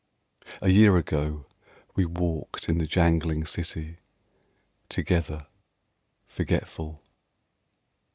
... A year ago we walked in the jangling city Together .... forgetful.